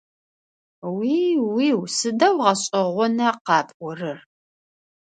Уи-уиу! Сыдэу гъэшӏэгъона къапӏорэр!